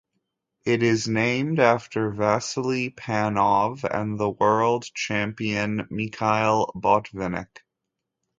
It is named after Vasily Panov and the world champion Mikhail Botvinnik.